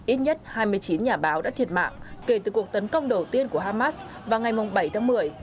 ít nhất hai mươi chín nhà báo đã thiệt mạng kể từ cuộc tấn công đầu tiên của hamas vào ngày bảy tháng một mươi